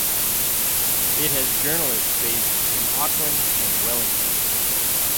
It has journalists based in Auckland and Wellington.